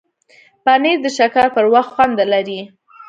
پنېر د شکر پر وخت خوند لري.